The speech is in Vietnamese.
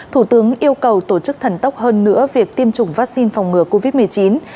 thủ tướng yêu cầu tổ chức thần tốc hơn nữa việc tiêm chủng vaccine phòng ngừa covid một mươi chín